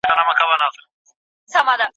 محرابونه به موخپل جومات به خپل وي